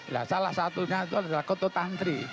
nah salah satunya itu adalah koto tantri